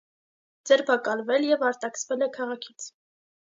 Ձերբակալվել և արտաքսվել է քաղաքից։